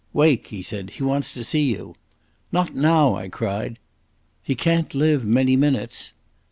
"Wake," he said. "He wants to see you." "Not now," I cried. "He can't live many minutes."